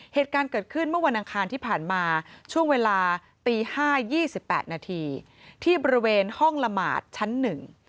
เหตุการณ์เกิดขึ้นเมื่อวันอังคารที่ผ่านมาช่วงเวลาตีห้ายี่สิบแปดนาทีที่บริเวณห้องละหมาดชั้นหนึ่ง